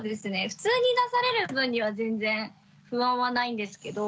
普通に出される分には全然不安はないんですけど。